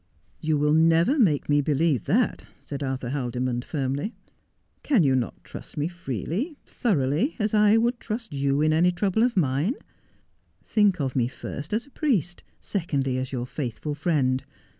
'You will never make me believe that,' said Arthur Haldi mond firmly. ' Can you not trust me freely, thoroughly, as I would trust you in any trouble of mine 1 Think of me first as a priest, secondly as your faithful friend.